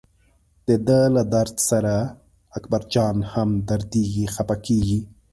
دده له درد سره اکبرجان هم دردېږي خپه کېږي.